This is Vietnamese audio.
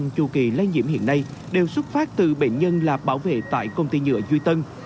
chu kỳ lây nhiễm hiện nay đều xuất phát từ bệnh nhân là bảo vệ tại công ty nhựa duy tân